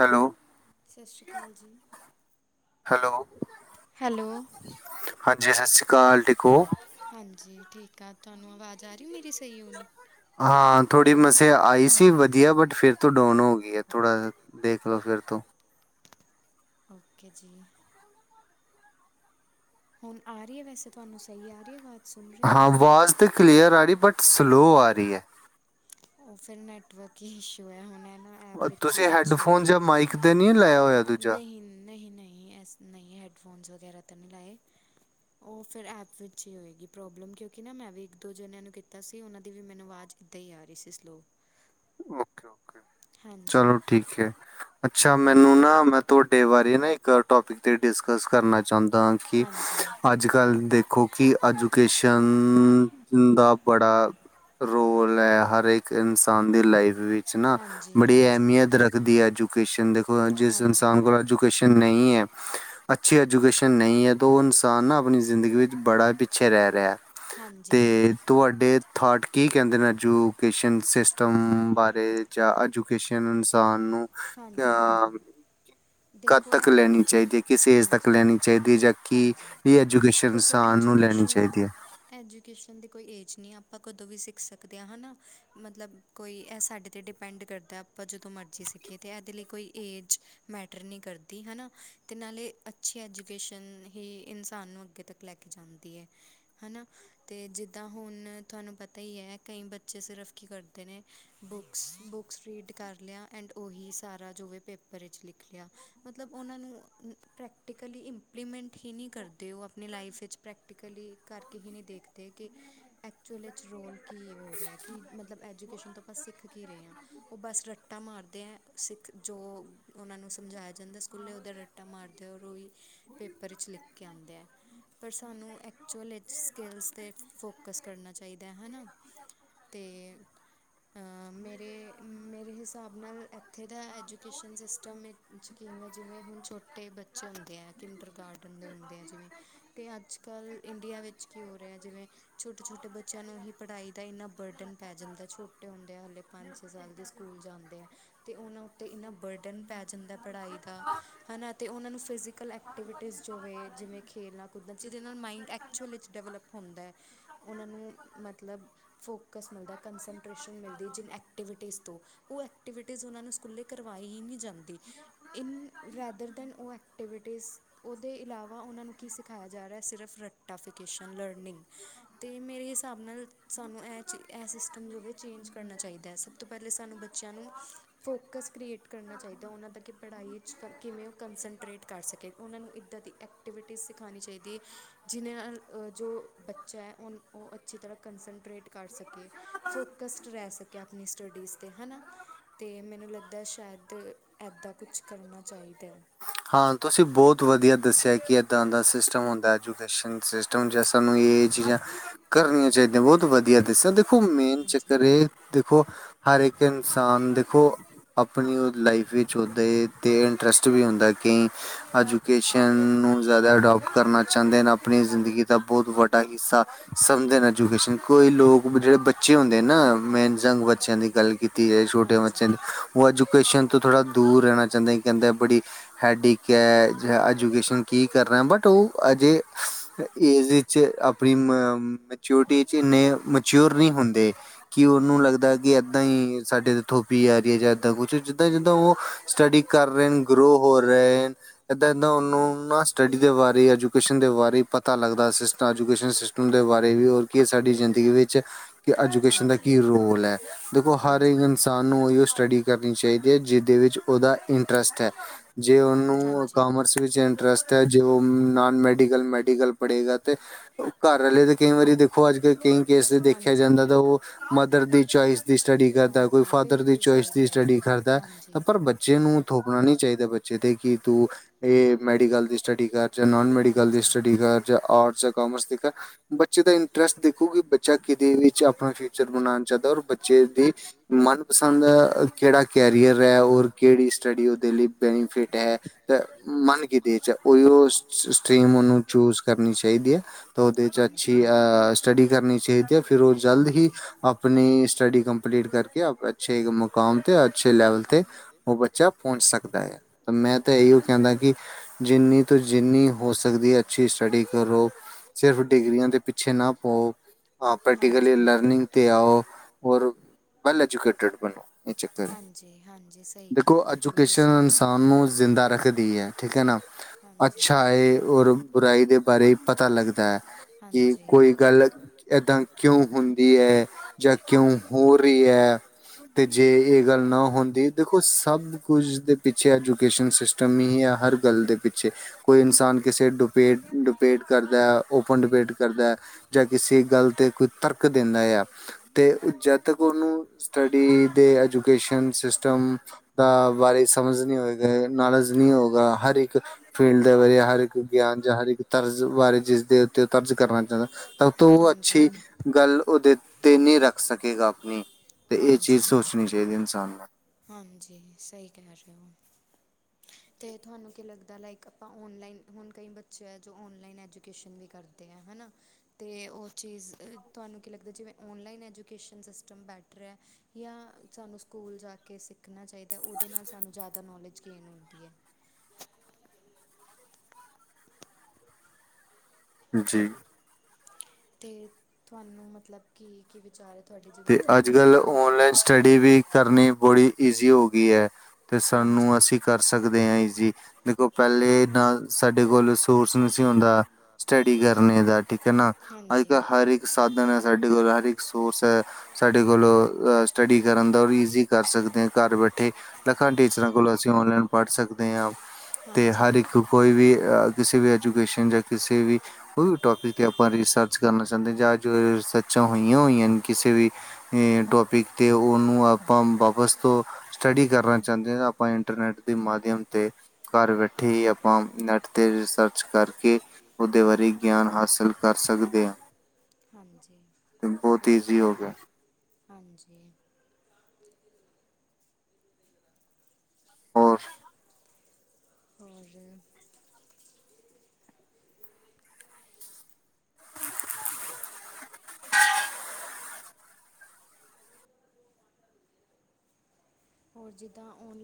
Hello ਸਤਿ ਸ਼੍ਰੀ ਅਕਾਲ ਜੀ। ਹੈਲੋ ਹੈਲੋ, ਸਤਿ ਸ਼ੀ ਅਕਾਲ ਠੀਕ ਹੋ। ਹਾਂਜੀ, ਠੀਕ ਆ, ਤੁਹਾਨੂੰ ਆਵਾਜ਼ ਆ ਰਹੀ ਮੇਰੀ ਸਹੀ ਹੁਨ ਹਾਂ, ਥੋੜੀ ਮਸੇ ਆਈ ਸੀ ਵਧੀਆ, ਬਟ ਫਿਰ ਤੋਂ ਡਾਨ ਹੋ ਗਈ ਆ ਥੋੜ੍ਹਾ ਦੇਖ ਲਓ ਫਿਰ ਤੋਂ ਓਕੇ ਜੀ ਹੁਣ ਆ ਰਹੀ ਹੈ, ਵੈਸੇ ਤੁਹਾਨੂੰ ਸਹੀ ਆ ਰਹੀ ਹੈ, ਆਵਾਜ਼ ਹਾਂ, ਆਵਾਜ਼ ਤੇ ਕਲੀਅਰ ਆ ਰਹੀ, ਬਟ ਸਲੋਅ ਆ ਰਹੀ ਹੈ। ਓ ਫਿਰ ਨੈੱਟਵਰਕ ਇਸ਼ੂ ਐ ਹੁਣ ਤੁਸੀਂ ਹੈਡਫੋਨ ਜਾਂ ਮਾਈਕ ਤੇ ਨੀ ਲਾਇਆ ਹੋਇਆ? ਨਹੀਂ-ਨਹੀਂ-ਨਹੀ ਐਸ ਨਹੀਂ ਹੈਡਫੋਨਸ ਵਗੈਰਾ ਤਾਂ ਨੀ ਲਗਾਏ। ਓ ਫੇਰ ਐਪ ਵਿੱਚ ਈ ਹੋਏਗੀ ਪ੍ਰੋਬਲਮ ਕਿਉਂਕੀ ਨਾ ਮੈਂ ਵੀ ਇੱਕ-ਦੋ ਜਣਿਆਂ ਨੂੰ ਕੀਤਾ ਸੀ ਓਨਾਂ ਦੀ ਵੀ ਮੈਨੂੰ ਆਵਾਜ਼ ਦਾਂ ਈ ਆ [unintelligible] ਰਈ ਸੀ ਸਲੋ ਓਕੇ ੳਕੇ ਚਲੋ ਠੀਕ ਐ। ਅੱਛਾ ਮੈਨੂੰ ਨਾ ਮੈਂ ਤੁਹਾਡੇ ਬਾਰੇ ਨਾ ਇੱਕ ਟੋਪਿਕ ਤੇ ਡਿਸਕਸ ਕਰਨਾ ਚਾਓਦਾ ਆਂ ਕੀ ਅਜਕੱਲ ਦੇਖੋ ਕਿ ਐਜੂਕੇਸ਼ਨ ਦਾ ਬੜਾ ਰੋਲ ਐ ਹਰੇਕ ਇਨਸਾਨ ਦੇ ਲਾਈਵ ਵਿੱਚ ਨਾ ਬੜੀ ਅਹਿਮੀਅਤ ਰੱਖਦੀ ਐਜੂਕੇਸ਼ਨ ਦੇਖੋ ਅੱਜ ਇਸ ਇਨਸਾਨ ਕੋਲ ਐਜੂਕੇਸ਼ਨ ਨਈ ਐ ਅੱਛੀ ਐਜੂਕੇਸ਼ਨ ਨਈ ਐ ਤੋ ਓ ਇਨਸਾਨ ਨਾ ਆਪਣੀ ਜ਼ਿੰਦਗੀ ਵਿੱਚ ਬੜਾ ਪਿੱਛੇ ਰੈ ਰਿਆ। ਤੇ ਤੁਆਡੇ ਥਾਟ ਕੀ ਕੈਂਦੇ ਨੇ ਐਜੂਕੇਸ਼ਨ ਸਿਸ ਟਮ ਬਾਰੇ ਜਾਂ ਐਜੂਕੇਸ਼ਨ ਇਨਸਾਨ ਨੂੰ ਕਿਆ ਕਦ ਤੱਕ ਲੈਣੀ ਚਾਈਦੀ ਐ ਕਿਸ ਏਜ ਤੱਕ ਲੈਣੀ ਚਾਈਦੀ ਏ ਜਾਂ ਕੀ ਐਜੂਕੇਸ਼ਨ ਇਨਸਾਨ ਨੂੰ ਲੈਣੀ ਚਾਈਦੀ ਆ ਐਜੂਕੇਸ਼ਨ ਦੀ ਕੋਈ ਏਜ ਨਈ ਆਪਾਂ ਕਦੋਂ ਵੀ ਸਿੱਖ ਸਕਦੇ ਆ ਹਨਾ ਮਤਲਬ ਕੋਈ ਐ ਸਾਡੇ ਤੇ ਡਿਪੈਂਡ ਕਰਦਾ ਆਪਾਂ ਜਦੋਂ ਮਰਜ਼ੀ ਸਿੱਖ ਕਿ ਤੇ ਐਦੇ ਲਈ ਕੋਈ ਏਜ ਮੈਟਰ ਨੀ ਕਰਦੀ ਹਨਾ ਤੇ ਨਾਲੇ ਅ ਅੱਛੀ ਐਜੂਕੇਸ਼ਨ ਹੀ ਇਨਸਾਨ ਨੂੰ ਅੱਗੇ ਤੱਕ ਲੈ ਕੇ ਜਾਂਦੀ ਐ। ਹਨਾ ਤੇ ਜਿੱਦਾਂ ਹੁਣ ਤੁਹਾਨੂੰ ਪਤਾ ਈ ਐ ਕਈ ਬੱਚੇ ਸਿਰਫ਼ ਕੀ ਕਰਦੇ ਨੇ ਬੁੱਕਸ ਬੁੱਕਸ ਰੀਡ ਕਰ ਲਿਆ ਐਂਡ ਓਹੀ ਸਾਰਾ ਜੋਵੇ ਪੇਪਰ ਵਿੱਚ ਲਿਖ ਲਿਆ ਮਤਲਬ ਓਨਾਂ ਨੂੰ ਪ੍ਰੈਕ ਪ੍ਰੈਕਟੀਕਲੀ ਇਮਪਲੀਮੈਂਟ ਹੀ ਨੀ ਕਰਦੇ ਓ ਆਪਣੀ ਲਾਈਫ ਵਿੱਚ ਪ੍ਰੈਕਟੀਕਲੀ ਕਰਕੇ ਹੀ ਨਈ ਦੇਖਦੇ ਕਿ ਐਕਚੁਅਲ ਰੋਲ ਕੀ ਹੋ ਰੇਆ ਕੀ ਮਤਲਬ ਐਜੂਕੇਸ਼ਨ ਤੋਂ ਆਪਾਂ ਸਿੱਖ ਕੀ ਰਏ ਆ। ਓ ਬਸ ਰੱਟਾ ਮਾਰ ਸਿੱਖ ਜੋ ਓਨਾਂ ਨੂੰ ਸਮਝਾਇਆ ਜਾਂਦਾ ਸਕੂਲੇ ਓਦਾ ਰੱਟਾ ਮਾਰਦੇ ਔਰ ਓਈ ਪੇਪਰ ਚ ਲਿਖ ਕੇ ਆਦੇ ਆ। ਪਰ ਸਾਨੂੰ ਐਕਚੁਅਲ ਐਸ ਸਕਿੱਲਸ ਤੇ ਫੋਕਸ ਕਰਨਾ ਚਾਈਦਾ ਹਨਾ। ਤੇ ਅ ਮੇਰੇ-ਮੇਰੇ ਹਿਸਾਬ ਨਾਲ ਏਥੇ ਦਾ ਐਜੂਕੇਸ਼ਨ ਸਿਸਟਮ ਏ, ਚ, ਕਿਵੇਂ-ਜਿਵੇਂ ਹੁਣ ਛੋਟੇ ਬੱਚ ਚੁਨਦੇ ਆ ਕਿੰਡਰ ਗਾਰਡਨ ਦੇ ਹੁੰਦੇ ਆ ਜਿਵੇਂ- ਤੇ ਅੱਜ-ਕੱਲ ਇੰਡੀਆ ਵਿੱਚ ਕੀ ਹੋ ਰੇਆ ਜਿਵੇਂ ਛੋਟੇ-ਛੋਟੇ ਬੱਚੇਆਂ ਨੂੰ ਹੀ ਪੜ੍ਹਾਈ ਦਾ ਏਨਾ ਬਰਡਨ ਪੈ ਜਾਂਦਾ, ਛੋਟੇ ਹੁੰਦੇ ਹਲੇ ਪੰਜ-ਛੇ ਸਾਲ ਦੇ ਸਕੂਲ ਜਾਂਦੇ ਆ, ਤੇ ਓਨਾਂ ਉਤੇ ਏਨਾ ਬਰਡਨ ਪੈ ਜਾਂਦਾ ਪੜ੍ਹਾਈ ਦਾ, ਹਨਾ ਤੇ ਓਨਾਂ ਨੂੰ ਫਿਜ਼ੀਕਲ ਐਕਟੀਵਿਟੀਜ਼ ਜੋ ਹੈ ਜਿਵੇਂ ਖੇਲਣਾ, ਕੁਦਣਾ ਜਿਦੇ ਨਾਲ ਮਾਇੰਡ ਐਕ ਛੋਲੇ ਚ ਡਿਵਲਪ ਹੁੰਦਾ ਓਨਾਂ ਨੂੰ, ਮਤਲਬ ਫੋਕਸ ਮਿਲਦਾ, ਕੰਸਨਟੇਸ਼ਨ ਮਿਲਦੀ, ਜਿਨ ਐਕਟੀਵਿਟੀਸ ਤੋਂ, ਓ ਐਕਟੀਵਿ ਟੀਸ, ਓਨਾਂ ਨੂੰ ਸਕੂਲੇ ਕਰਵਾਈ ਈ ਨੀ ਜਾਂਦੀ, ਇਨ ਵੈਦਰ ਦੈਨ ਓ ਐਕਟੀਵਿਟੀਸ ਓਦੇ ਇਲਾਵਾ ਓਨਾਂ ਨੂੰ ਕੀ ਸਿਖਾਇਆ ਜਾ ਰੇਆ ਸਿਰਫ ਰਟਾ ਫਿਕੇਸ਼ਨ ਲਰਨਿੰਗ ਤੇ ਮੇਰੇ ਹਿਸਾਬ ਨਾਲ ਸਾਨੂੰ ਐ ਚ ਐ ਸਿਸ ਵੇ ਚੇਂਜ ਕਰਨਾ ਚਾਈਦਾ ਐ ਸਭ ਤੋਂ ਪਾਲੇ ਸਾਨੂੰ ਬੱਚੇਆਂ ਨੂੰ ਫੋਕਸ ਕਰ੍ਰੀਏਟ ਕਰਨਾ ਚਾਈ ਓਨਾਂ ਦਾ ਕਿ ਪੜ੍ਹਾਈ ਵਿੱਚ ਕਿਵੇਂ ਓ ਕੰਸਨਟਰੇਟ ਕਰ ਸਕੇ, ਓਨਾਂ ਨੂੰ ਐਦਾਂ ਦੀ ਐ ਕਟੀਵਿਟੀਜ਼ ਸਿਖਾਣੀ ਚਾਈਦੀ ਏ, ਜੀਦੇ ਨਾਲ ਅ ਜੋ ਬੱਚਾ ਓ ਓ ਅੱਛੀ ਤਰ੍ਹਾਂ ਕੰਸ ਟਰੇਟ ਕਰ ਸਕੇ, ਫੋਕਸਡ ਰੈ ਸਕੇ ਆਪਣੀ ਸਟੱਡੀਜ਼ ਤੇ ਹਨਾ। ਤੇ ਮੈਨੂੰ ਲੱਗਦਾ ਸ਼ਾਏਦ ਐਦਾਂ ਕੁਛ ਕਰਨਾ ਚਾਈਦੈ। ਹਾਂ ਤੁਸੀਂ ਬੋਤ ਵਧੀਆ ਦੱਸਿਆ ਕਿ ਐਦਾਂ ਦਾ ਸਿਸਟਮ ਹੁੰਦਾ ਐਜੂਕੇਸ਼ਨ ਸਿ ਸਟਮ ਜਾਂ ਸਾਨੂੰ ਏ ਚੀਜ਼ਾਂ ਕਰਨੀਆਂ ਚਾਈਦੀਆਂ, ਬੋਤ ਵਧੀਆ ਦੱਸਿਆ ਦੇਖੋ ਮੇਨ ਚੱਕਰ ਏ ਦੇਖੋ ਹਰ ਇੱਕ ਇਨਸਾਨ ਦੇਖੋ ਆਪਣੀ ਲਾਈਫ ਵਿੱਚ ਓਦੇ ਤੇ ਇੰਟਰਸਟ ਵੀ ਹੁੰਦਾ ਕਈ ਐਜੂਕੇਸ਼ਨ ਨੂੰ ਜ਼ਾਦਾ ਅਡੋਪਟ ਕਰਨਾ ਚਾਂਦੇ ਨੇ, ਆਪਣੀ ਜ਼ਿੰਦਗੀ ਦਾ ਬੋਤ ਵੱਡਾ ਅ ਹਿੱਸਾ, ਸਮਝਣ ਐਜੂਕੇਸ਼ਨ, ਕੋਈ ਲੋਕ ਜੇੜੇ ਬੱਚੇ ਹੁੰਦੇ ਨਾ, ਮੇਨ ਯਂਗ ਬੱਚੇ ਬੱਚੇਆਂ ਦੀ ਗੱਲ ਕੀਤੀ ਜਾਏ, ਛੋਟੇ ਬੱਚਿਆਂ ਦੀ ਓ ਐਜੂਕੇਸ਼ਨ ਤੋਂ ਥੋੜ੍ਹਾ ਦੂਰ ਰੈਣਾ ਚਾਂਦੇ ਨੇ, ਕੇਂਦੇ ਆ ਬੜੀ ਹੈਡਏਕੈ ਐ, ਜਾਂ ਐਜੂਕੇਸ਼ਨ ਕੀ ਕਰਨਾ, ਬਟ ਓ ਅਜੇ ਏਜ ਚ, ਆਪਣੀ ਮ ਮੈਚਓਰਟੀ ਚ ਏਨੇ ਮੇਚਓਰ ਨਈ ਹੁੰਦੇ। ਕਿ ਓਨੂੰ ਲੱਗਦਾ ਕਿ ਏਦਾਂ ਈ ਸਾਡੇ ਤੇ ਥੋਪੀ ਜਾ ਰਈ ਆ, ਜਾਂ ਏਦਾਂ ਕੁਛ, ਜਿੱਦਾਂ-ਜਿੱਦਾਂ ਓ ਸਟੱਡੀ ਕਰ ਰਏ ਹਨ, ਗਰੋ ਹੋ ਰਏ ਨੇ। ਏਦਾਂ -ਏਦਾਂ ਓਨੂੰ ਨਾ ਸਟੱਡੀ ਦੇ ਬਾਰੇ ਐਜੂਕੇਸ਼ਨ ਦੇ ਬਾਰੇ ਪਤਾ ਲੱਗਦਾ ਸਿਸਟਮ ਐਜੂਕੇਸ਼ਨ ਦੇ ਬਾਰੇ ਵੀ ਹੋਰ ਕੀ ਏ ਸਾਡੀ ਜ਼ਿੰਦਗੀ ਵਿੱਚ ਕਿ ਐਜੂਕੇਸ਼ਨ ਦਾ ਕੀ ਰੋਲ ਐ, ਦੇਖੋ ਹਰ ਇੱਕ ਇਨਸਾਨ ਨੂੰ ਓਈਓ ਸਟੱਡੀ ਕਰਨੀ ਚਾਈਦੀ ਏ, ਜਿਦੇ ਵਿੱਚ ਓਦਾ ਇੰਟਰਸਟ ਹੈ। ਜੇ ਓਨੂੰ ਕਾਮਰਸ ਵਿੱਚ ਇੰਟਰਸਟ ਹੈ, ਜੇ ਓ ਨਾਨ ਮੈਡੀਕਲ ਮੈਡੀਕਲ ਪੜ੍ਹੇਗਾ ਤੇ ਘੜ ਆਲੇ ਤੇ ਕਈ ਵਾਰੀ ਦੇਖੋ, ਅੱਜ -ਕੱਲ ਕਈ ਕੇਸ ਦੇਖੇਆ ਜਾਂਦਾ, ਤਾਂ ਓ ਮਦਰ ਦੀ ਚੋਈਸ ਦੀ ਸਟੱਡੀ ਕਰਦਾ, ਕੋਈ ਫਾਦਰ ਦੀ ਚੋਈਸ ਦੀ ਸਟੱਡੀ ਕਰਦਾ, ਤਾਂ ਪਰ ਬ ਬੱਚੇ ਨੂੰ ਥੋਪਣਾ ਨਈ ਚਾਈਦਾ ਬੱਚੇ ਤੇ ਕਿ ਤੂੰ ਏ ਮੈਡੀਕਲ ਦੀ ਸਟੱਡੀ ਕਰ ਜਾ ਨੋਨ ਮੈਡੀਕਲ ਦੀ ਸਟੱਡੀ ਕਰ, ਜਾਂ ਆਰਟਸ ਜਾਂ ਕਾਮਰਸ ਦੀ ਕਰ ਬੱਚੇ ਦਾ ਇੰਟਰਸਟ ਦੇਖੋ ਕਿ ਬੱਚਾ ਕਿਦੇ ਵਿਚ ਆਪਣਾ ਫਿਊਚਰ ਬਣਾਣਾ ਚਾਂਦਾ, ਔਰ ਬੱਚ ਬੱਚੇ ਦੀ ਮਨਪਸੰਦ ਅ ਕੇੜਾ ਕੈਰੀਅਰ ਐ, ਹੋਰ ਕੇੜੀ ਸਟੱਡੀ ਓਦੇ ਲਈ ਬੇਨੀਫਿਟ ਹੈ ਤੇ ਮਨ ਕਿਦੇ ਚ ਆ ਓਹੀਓ ਸਟਰੀਮ ਓਨੂੰ ਚੂਜ ਕਰਨੀ ਚਾਈਦੀ ਐ, ਤੇ ਓਦੇ ਚ ਅੱਛੀ ਅਅ ਸਟੱਡੀ ਕਰਨੀ ਚਾਈਦੀ ਹੈ, ਤੇ ਫਿਰ ਓ ਜਲਦ ਹੀ ਆਪਣੀ ਸਟੱਡੀ ਕੰਪਲੀਟ ਕਰਕੇ ਅੱਛੇ ਮੁਕਾਮ ਤੇ, ਅੱਛੇ ਲੈਵਲ ਤੇ ਓ ਬੱਚਾ ਪੌਚ ਸਕਦਾ। ਤ ਮੈਂ ਤੇ ਐਈਓ ਕਹਿੰਨਾ ਕਿ ਜਿੰਨੀ ਤੋਂ ਜਿੰਨੀ ਹੋ ਸਕਦੀ ਏ, ਅੱਛੀ ਸਟੱਡੀ ਕਰੋ। ਸਿਰਫ ਡਿਗਰੀਆਂ ਦੇ ਪਿੱਛੇ ਨਾ ਪੳ। ਅ ਪਾਰਟੀਕੂਲੀ ਲਰਨਿੰੰਗ 'ਤੇ ਆਓ। ਔਰ ਵੈੱਲ ਐਜੂਕੇਟਡ ਬਨੋ। ਏ ਚੱਕਰ ਏ, ਦੇਖੋ ਐਜੂਕੇਸ਼ ਸਨ ਏਨਸਾਨ ਨੂੰ ਜ਼ਿੰਦਾ ਰੱਖਦੀ ਏ, ਠੀਕ ਏ ਨਾ। ਹਾਂਜੀ, ਅਛਾ ਏ ਔਰ ਬੂਰਾਈ ਦੇ ਬਾਰੇ ਪਤਾ ਲਗਦਾ ਏ, ਹਾਂਜੀ ਕੋਈ ਗੱਲ ਏਦਾਂ ਕਿਉਂ ਹੁੰਦੀ ਏ, ਜਾਂ ਕਿਉਂ ਹੋ ਰਹੀ ਏ। ਤੇ ਜੇ ਏ ਗੱਲ ਨਾ ਹੁੰਦੀ, ਦੇਖੋ ਸਭ ਕੁਝ ਦੇ ਪਿੱਛੇ ਐਜੂਕੇਸ਼ਨ ਸਿਸਟਮ ਨਹੀਂ ਏ, ਹਰ ਗੱਲ ਦੇ ਪਿੱਛੇ ਕੋਈ ਇਨਸਾਨ ਕਿਸੇ ਡੁਪੇਟ, ਡੁਪੇਟ ਕਰਦਾ ਏ। ਓਪਨ ਡਿਬੇਟ ਕਰਦਾ ਏ, ਜਾਂ ਕਿਸੇ ਗੱਲ 'ਤੇ ਕੋਈ ਤਰਕ ਦਿੰਦਾ ਆਂ। ਤੇ ਜਦ ਤੱਕ ਉਨੂੰ ਸਟੱਡੀ ਦੇ ਐਜੂਕੇਸ਼ਨ ਸਿਸਟਮ ਦਾ ਬਾਰੇ ਚ ਅ ਨੌਲੇਜ ਨਈ ਹੋਊਗਾ, ਹਰ ਏਕ ਫੀਲਡ ਦੇ ਬਾਰੇ ਹਰ ਇੱਕ ਗੇਆਨ ਜਾਂ ਹਰ ਇੱਕ ਤਰਜ਼ ਬਾਰੇ, ਜਿਸਦੇ ਉੱਤੇ ਤਬਜ਼ ਕਰਨਾ ਚਾਹੁੰਨਾ। ਤਾ ਤੋਂ ਓ ਅੱਛੀ ਗੱਲ ਉਦੇ ਤੇ ਨੀ ਰੱਖ ਸਕੇਗਾ ਆਪਨੀ। ਤੇ ਏ ਚੀਜ਼ ਸੋਚਨੀ ਚਾਹੀਦੀ ਇਨਸਾਨ ਨੂੰ। ਹਾਂਜੀ, ਸਹੀ ਕੇਅ ਰੇਅ ਹੋ। ਤੇ ਤੁਹਾਨੂੰ ਕੀ ਲੱਗਦਾ ਲਾਈਕ, ਆਪਾਂ ਔਨਲਾਈਨ ਹੁਨ ਕਈ ਬੱਚੇ ਏ, ਜੋ ਔਨਲਾਈਨ ਐਜੂਕੇਸ਼ਨ ਵੀ ਕਰ ਦੇ ਆਂ ਹਨਾ। ਤੇ ਓ ਚੀਜ਼ ਤੁਹਾਨੂੰ ਕੀ ਲੱਗਦਾ, ਜਿਵੇਂ ਔਨਲਾਈਨ ਐਜੂਕੇਸ਼ਨ ਸਿਸਟਮ ਬੈਟਰ ਏ। ਜਾਂ ਸਾਨੂੰ ਸਕੂਲ ਜਾ ਕੇ ਸਿੱਖਨਾ ਚਾਹੀਦਾ, ਉਦੇ ਨਾਲ ਸਾਨੂੰ ਜੇਆਦਾ ਨੌਲੇਜ ਗੇਨ ਹੁੰਦੀ ਏ। ਜੀ ਤੇ ਤੁਹਾਨੂੰ ਮਤਲਬ ਕੀ -ਕੀ ਵਿਚਾਰ ਐ। ਤੇ ਅੱਜ -ਕੱਲ ਔਨਲਾਈਨ ਸਟੱਡੀ ਵੀ ਕਰਨੀ ਬੜੀ ਇਜੀ਼ ਹੋ ਗਈ ਏ। ਤੇ ਸਾਨੂੰ ਅਸੀਂ ਕਰ ਸਕਦੇ ਆਂ ਈਜੀ਼। ਦੇਖੋ ਪੈਲੇ ਨਾ ਸਾਡੇ ਕੋਲ ਸੋਰਸ ਨੀ ਸੀ ਹੁੰਦਾ। ਸਟੱਡੀ ਕਰਨੇ ਦਾ ਠੀਕ ਐ ਨਾ। ਅਜ-ਕੱਲ੍ਹ ਹਰ ਇੱਕ ਸਾਧਨ ਐ ਸਾਡੇ ਕੋਲ, ਹਰ ਇੱਕ ਸੋਰਸ ਐ। ਸਾਡੇ ਕੋਲ ਔ ਅ ਸਟੱਡੀ ਕਰਨ ਦਾ ਵੀ ਈਜ਼ੀ ਕਰ ਸਕਦੇ ਆਂ ਘਰ ਬੈਠੇ। ਰਖ ਕਨ ਟੀਚਰਾਂ ਕੋਲੋਂ ਅਸੀਂ ਔਨਲਾਈਨ ਪੜ੍ਹ ਸਕਦੇ ਆਂ, ਤੇ ਹਰ ਇੱਕ ਕੋਈ ਵੀ ਅ ਕਿਸੇ ਵੀ ਐਜੂਕੇਸ਼ਨ ਜ ਕਿਸੇ ਵੀ ਕੋਈ ਵੀ ਟੋਪਿਕ 'ਤੇ ਆਪਾਂ ਰਿਸਰਚ ਕਰਨਾ ਚਾਂਦੇ ਆਂ, ਜਾਂ ਜੋ ਰਿਸਰਚਾਂ ਹੋਈਆਂ ਹੋਈਆਂ ਏ ਨੇ। ਕਿਸੇ ਵੀ ਏਂ ਟੋਪਿਕ ਤੇ ਓਨੂੰ ਆਪਾਂ ਵਾਪਸ ਤੋਂ ਸਟੱਡੀ ਕਰਨਾ ਚਾਂਦੇ ਆਂ ਨਾ, ਆਪਾਂ ਇੰਟਰਨੈਟ ਦੇ ਮਾਧਿਅਮ ਤੇ ਘਰ ਬੈਠੇ ਹੀ ਆਪਾਂ ਨੈੱਟ 'ਤੇ ਰਿਸਰਚ ਕਰਕੇ ਓਦੇ ਬਾਰੇ ਗੇਆਨ ਹਾਸਿਲ ਕਰ ਸਕਦੇ ਆਂ। ਹਾਂਜੀ। ਸ ਹਾਂਜੀ। ਔਰ ਔਰ ਹੋਰ, ਜਿੱਦਾਂ ਔਨਲੈ